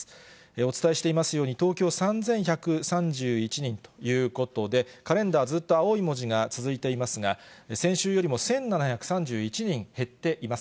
お伝えしていますように、東京３１３１人ということで、カレンダー、ずっと青い文字が続いていますが、先週よりも１７３１人減っています。